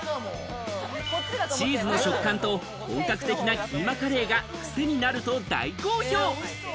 チーズの食感と、本格的なキーマカレーがクセになると大好評。